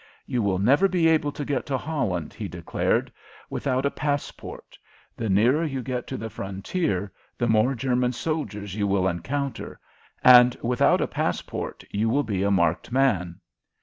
"You will never be able to get to Holland," he declared, "without a passport. The nearer you get to the frontier the more German soldiers you will encounter, and without a passport you will be a marked man."